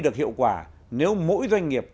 được hiệu quả nếu mỗi doanh nghiệp